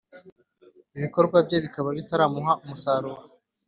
ibikorwa bye bikaba bitaramuha umusaruro,